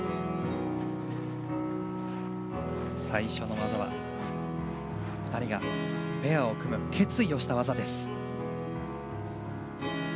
最初の技は２人がペアを組む決意をした技です。